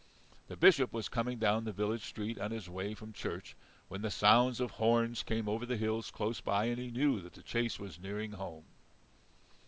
The Bishop was coming down the village street on his way from church, when the sounds of horns came over the hills close by, and he knew the chase was nearing home.